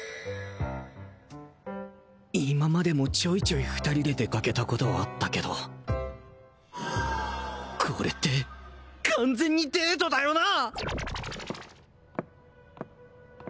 今までもちょいちょい２人で出かけたことはあったけどこれって完全にデートだよな！？